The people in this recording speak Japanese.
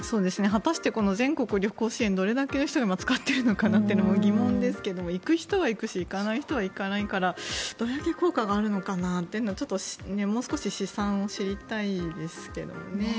果たして、全国旅行支援をどれだけの人が使っているのかなというのも疑問ですが行く人は行くし行かない人は行かないからどれだけ効果があるのかなというのがもう少し試算を知りたいですけどね。